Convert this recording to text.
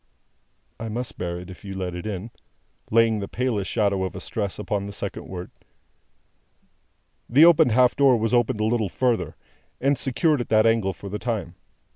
"I must bear it, if you let it in." (Laying the palest shadow of a stress upon the second word.) The opened half door was opened a little further, and secured at that angle for the time.